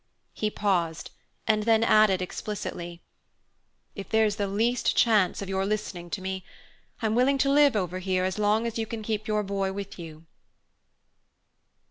He paused, and then added explicitly: "If there's the least chance of your listening to me, I'm willing to live over here as long as you can keep your boy with you."